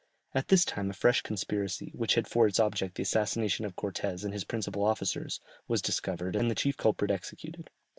At this time a fresh conspiracy, which had for its object the assassination of Cortès and his principal officers, was discovered, and the chief culprit executed.